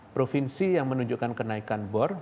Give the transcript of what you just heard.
provinsi yang menunjukkan kenaikan bor